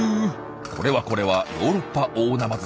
これはこれはヨーロッパオオナマズさん。